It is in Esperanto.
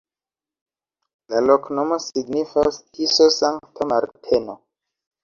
La loknomo signifas: Tiso-Sankta Marteno.